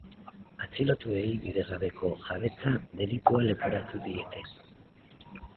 Atxilotuei bidegabeko jabetza delitua leporatu diete.